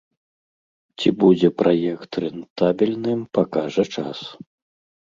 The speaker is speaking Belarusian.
Ці будзе праект рэнтабельным, пакажа час.